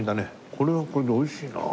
これはこれで美味しいなあ。